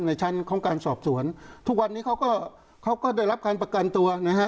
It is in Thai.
ในชั้นของการสอบสวนทุกวันนี้เขาก็เขาก็ได้รับการประกันตัวนะฮะ